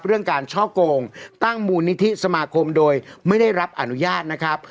เรื่องการช่อโกงตั้งมูลนิธิสมาคมโดยไม่ได้รับอนุญาตนะครับ